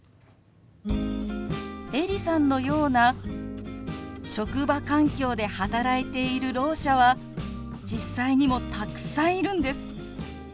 エリさんのような職場環境で働いているろう者は実際にもたくさんいるんです。